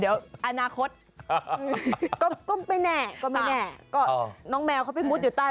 เดี๋ยวอนาคตก็ไม่แน่ก็ไม่แน่ก็น้องแมวเขาไปมุดอยู่ใต้